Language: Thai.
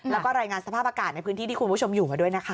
แล้วก็รายงานสภาพอากาศในพื้นที่ที่คุณผู้ชมอยู่มาด้วยนะคะ